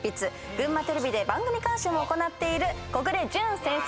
群馬テレビで番組監修も行っている小暮淳先生です。